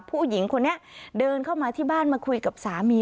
ผู้หญิงคนนี้เดินเข้ามาที่บ้านมาคุยกับสามี